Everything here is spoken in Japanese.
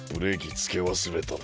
つけわすれたな。